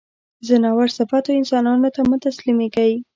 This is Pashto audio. ځناور صفتو انسانانو ته مه تسلیمېږی.